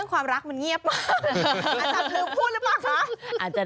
ความรักมันเงียบมากอาจารย์ลืมพูดหรือเปล่าคะ